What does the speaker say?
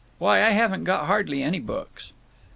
Why, I haven't got hardly any books."